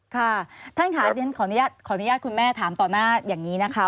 ค่ะท่านค่ะขออนุญาตคุณแม่ถามต่อหน้าอย่างนี้นะคะ